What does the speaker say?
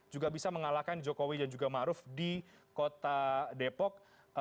juga bisa mengalahkan jokowi dan juga ⁇ maruf ⁇ di kota depok